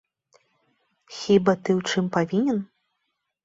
Хіба ты ў чым павінен?